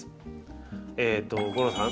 吾郎さん